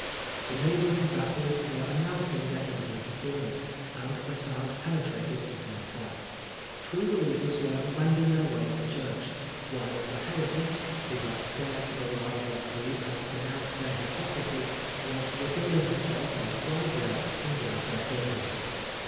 The neighboring Bethels were announcing their evening performance, and the sound penetrated into my cell. True believers were wending their way to church, while the heretic, who had dared to deride their creed and denounce their hypocrisy, was regaling himself on dry bread in one of their dungeons.